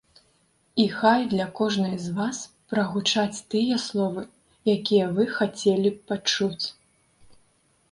І хай для кожнай з вас прагучаць тыя словы, якія вы хацелі б пачуць!